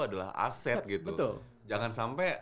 adalah aset gitu jangan sampai